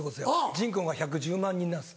人口が１１０万人なんです。